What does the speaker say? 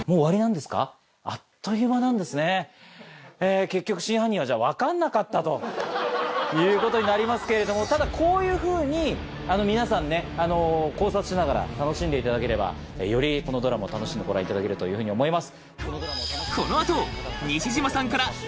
あっという間なんですね。ということになりますけれどもただこういうふうに皆さんね考察しながら楽しんでいただければよりこのドラマを楽しんでご覧いただけるというふうに思います。